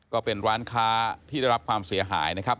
ก็เป็นร้านค้าที่ได้รับความเสียหายนะครับ